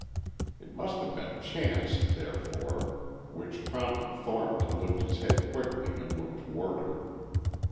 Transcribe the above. It must have been chance, therefore, which prompted Thornton to lift his head quickly and look toward her.